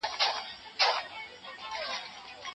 که تودوخه وي نو ټولګی نه یخیږي.